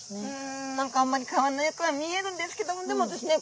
ん何かあんまり変わらないように見えるんですけどもでもですね